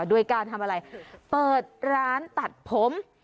โดยการทำอะไรเปิดร้านตัดผม